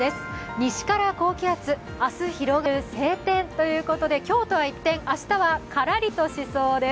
西から高気圧、明日広がる晴天ということで今日とは一転、明日はカラリとしそうです。